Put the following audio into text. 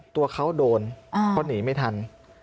ตัวเขาโดนเพราะหนีไม่ทัน